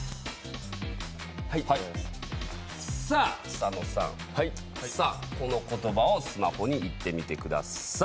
佐野さん、この言葉をスマホに言ってみてください。